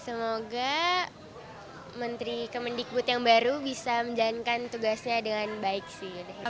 semoga menteri kemendikbud yang baru bisa menjalankan tugasnya dengan baik sih